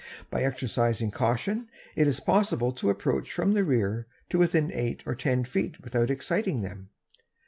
By exercising caution it is possible to approach from the rear to within eight or ten feet without exciting them.